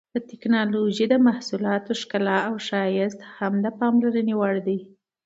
د ټېکنالوجۍ د محصولاتو ښکلا او ښایست هم د پاملرنې وړ دي.